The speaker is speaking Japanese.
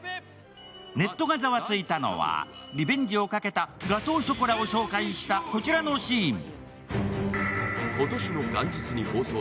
ネットがザワついたのは、リベンジをかけたガトーショコラを紹介したこちらのシーン。